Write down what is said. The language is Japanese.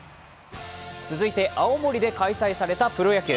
続いて青森で開催されたプロ野球。